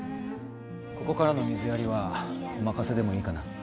ここからの水やりはお任せでもいいかな。